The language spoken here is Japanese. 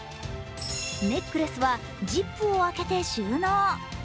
ネックレスはジップを開けて収納。